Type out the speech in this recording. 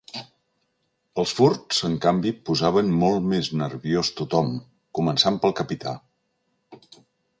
Els furts, en canvi, posaven molt més nerviós tothom, començant pel capità.